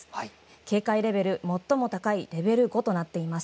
警戒レベル、最も高いレベル５となっています。